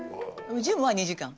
ジムは２時間。